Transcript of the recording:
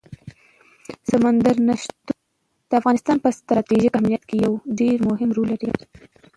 سمندر نه شتون د افغانستان په ستراتیژیک اهمیت کې یو ډېر مهم رول لري.